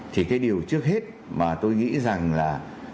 thì cái điều trước hết mà tôi nghĩ rằng là